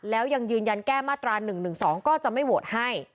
แล้วยังยืนยันแก้มาตรา๑๑๒ก็จะไม่โหวตให้